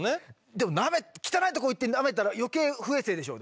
でも汚いとこ行ってなめたら余計不衛生でしょ。